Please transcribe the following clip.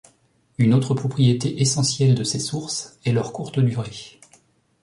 Une autre propriété essentielle de ces sources est leur courte durée.